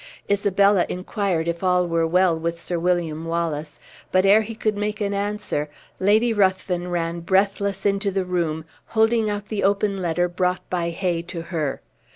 Isabella inquired if all were well with Sir William Wallace; but ere he could make an answer, Lady Ruthven ran breathless into the room, holding out the open letter brought by Hay to her.